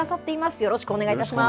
よろしくお願いします。